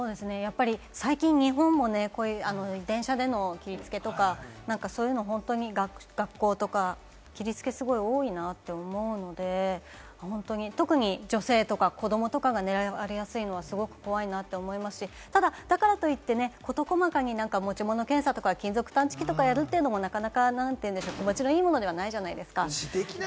最近、日本も電車での切りつけとか、本当に学校とかでの切り付け、すごい多いなと思うので、特に女性とか子どもとかが狙われやすいのは、すごく怖いなと思いますし、ただ、だからといって事細かに持ち物検査とか金属探知機をやるのも気持ちのいいものではないじゃないですか。